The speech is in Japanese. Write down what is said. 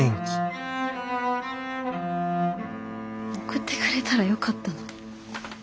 送ってくれたらよかったのに。